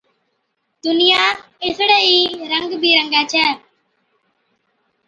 دُنِيا اُسڙِي ئي رنگ بہ رنگِي هُوِي۔